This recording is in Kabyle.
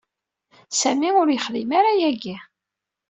Sami ur yexdim ara ayagi.